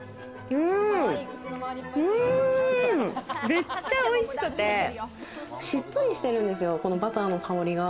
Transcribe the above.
めっちゃおいしくて、しっとりしてるんですよ、バターの香りが。